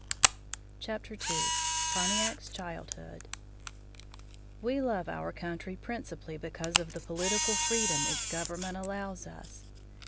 II. PONTIAC'S CHILDHOOD We love our country principally because of the political freedom its government allows us.